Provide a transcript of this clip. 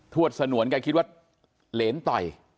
วดสนวนแกคิดว่าเหรนต่อย